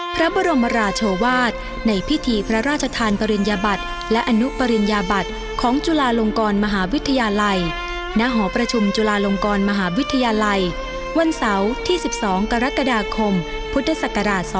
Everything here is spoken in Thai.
พระบรมราชวาสในพิธีพระราชทานปริญญาบัติและอนุปริญญาบัติของจุฬาลงกรมหาวิทยาลัยณหอประชุมจุฬาลงกรมหาวิทยาลัยวันเสาร์ที่๑๒กรกฎาคมพุทธศักราช๒๕๖